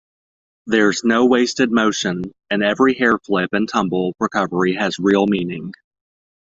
There's no wasted motion, and every hair flip and tumble recovery has real meaning.